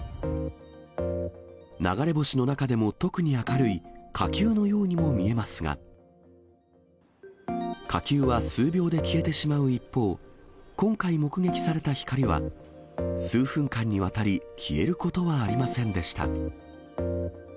流れ星の中でも特に明るい、火球のようにも見えますが、火球は数秒で消えてしまう一方、今回、目撃された光は、数分間にわたり、消えることはありませんでした。